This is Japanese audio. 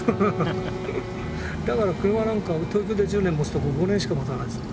だから車なんか東京で１０年もつとこ５年しかもたないですよ。